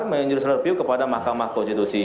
dan juga menjadikan review review kepada mahkamah konstitusi